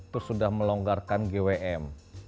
itu sudah melonggarkan gwm